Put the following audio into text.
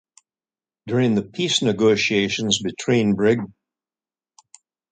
During the peace negotiations between Brig.